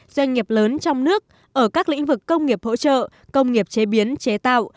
doanh nghiệp lớn trong nước ở các lĩnh vực công nghiệp hỗ trợ công nghiệp chế biến chế tạo